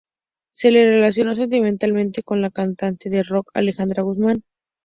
Se le relacionó sentimentalmente con la cantante de rock Alejandra Guzmán.